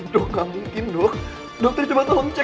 tapi gak gerak gerak